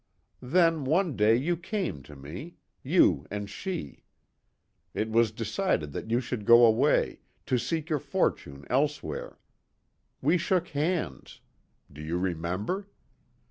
Then one day you came to me; you and she. It was decided that you should go away to seek your fortune elsewhere. We shook hands. Do you remember?